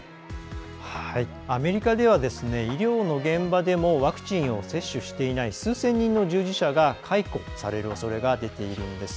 アメリカでは医療の現場でもワクチンを接種していない数千人の従事者が解雇されるおそれが出ているんです。